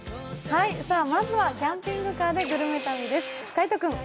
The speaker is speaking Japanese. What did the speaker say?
まずはキャンピングカーでグルメ旅です。